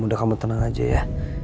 udah kamu tenang aja ya